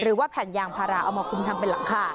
หรือว่าแผ่นยางพาราเอามาคุมทำเป็นหลังคา